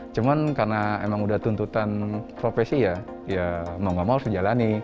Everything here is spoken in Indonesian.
cuma karena memang sudah tuntutan profesi ya mau mau harus dijalani